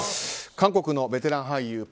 韓国のベテラン俳優